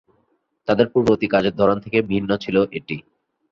তাদের পূর্ববর্তী কাজের ধরন থেকে ভিন্ন ছিল এটি।